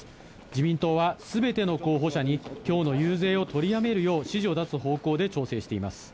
自民党はすべての候補者に、きょうの遊説を取りやめるよう指示を出す方向で調整しています。